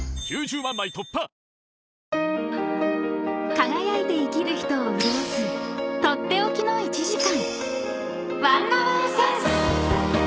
［輝いて生きる人を潤す取って置きの１時間］